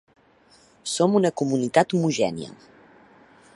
Som una comunitat homogènia.